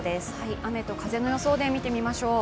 雨と風の予想で見てみましょう。